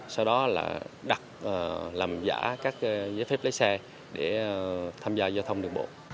sau đó là đặt làm giả các giấy phép lấy xe để tham gia giao thông đường bộ